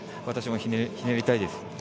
私もひねりたいです。